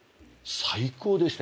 最高でした。